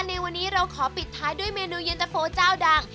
ในวันนี้เราขอปิดท้ายด้วยเมนูเย็นตะโฟเจ้าดัง